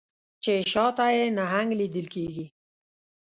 چې شا ته یې نهنګ لیدل کیږي